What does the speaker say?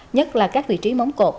nhất là các vị trí móng cột